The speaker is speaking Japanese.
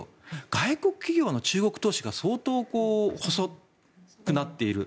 外国企業の中国投資が相当細くなっている。